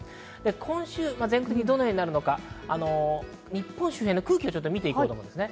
今週全国的にどのようになるのか日本周辺の空気を見てきます。